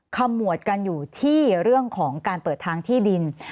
ขมวดกันอยู่ที่เรื่องของการเปิดทางที่ดิน